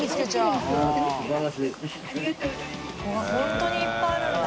わぁ本当にいっぱいあるんだ。